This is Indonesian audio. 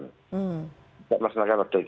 tidak melaksanakan lockdown